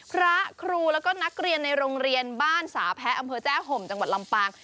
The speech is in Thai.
พระครูแล้วก็นักเรียนในโรงเรียนบ้านสาแพ้อำเภอแจ้ห่มจังหวัดลำปาง